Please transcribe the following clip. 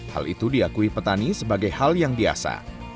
hal itu diakui petani sebagai hal yang biasa